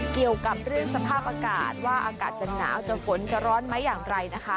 เกี่ยวกับเรื่องสภาพอากาศว่าอากาศจะหนาวจะฝนจะร้อนไหมอย่างไรนะคะ